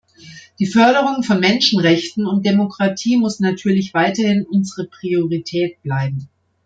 Die Förderung von Menschenrechten und Demokratie muss natürlich weiterhin unsere Priorität bleiben.